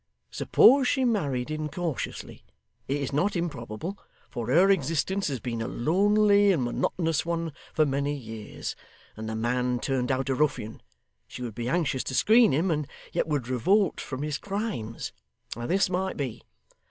Suppose she married incautiously it is not improbable, for her existence has been a lonely and monotonous one for many years and the man turned out a ruffian, she would be anxious to screen him, and yet would revolt from his crimes. This might be.